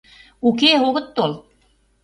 — Уке, огыт тол.